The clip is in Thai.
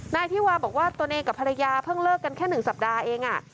นายธิวาบอกว่าตัวเองกับภรรยาเพิ่งเลิกกันแค่๑สัปดาห์เอง